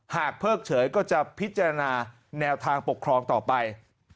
เพิกเฉยก็จะพิจารณาแนวทางปกครองต่อไป